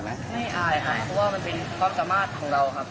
ไม่อายอายเพราะว่ามันเป็นความสามารถของเราครับ